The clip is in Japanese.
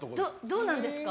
どうなんですか？